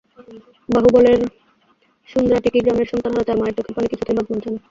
বাহুবলের সুন্দ্রাটিকি গ্রামের সন্তানহারা চার মায়ের চোখের পানি কিছুতেই বাঁধ মানছে না।